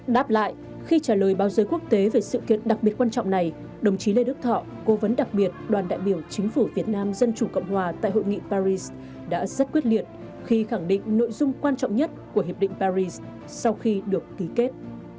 đáp lại khi trả lời báo giới quốc tế về sự kiện đặc biệt quan trọng này đồng chí lê đức thọ cố vấn đặc biệt đoàn đại biểu chính phủ việt nam dân chủ cộng hòa tại hội nghị paris đã rất quyết liệt khi khẳng định nội dung quan trọng nhất của hiệp định paris sau khi được ký kết